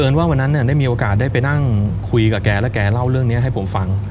ว่าวันนั้นเนี่ยได้มีโอกาสได้ไปนั่งคุยกับแกแล้วแกเล่าเรื่องนี้ให้ผมฟัง